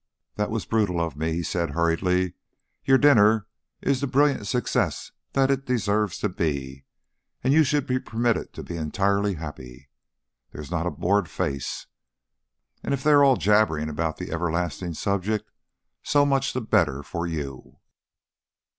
"That was brutal of me," he said hurriedly. "Your dinner is the brilliant success that it deserves to be, and you should be permitted to be entirely happy. There is not a bored face, and if they are all jabbering about the everlasting subject, so much the better for you.